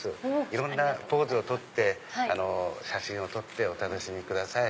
いろんなポーズを取って写真を撮ってお楽しみください。